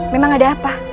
memang ada apa